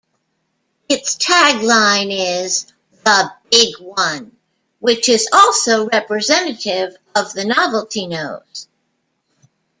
Its tagline is "The Big One" which is also representative of the novelty nose.